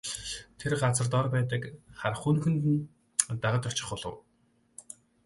Тэр газар дор байдаг харанхуй нүхэнд нь дагаж очих болов.